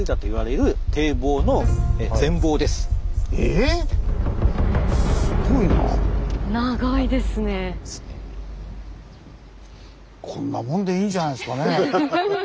でええっ⁉こんなもんでいいんじゃないですかね。